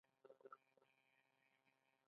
دا اصول هیڅ ریښتینی اعتبار نه لري.